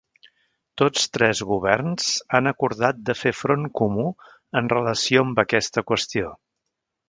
Tots tres governs han acordat de fer front comú en relació amb aquesta qüestió.